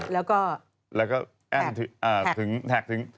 แล้วก็แท็ด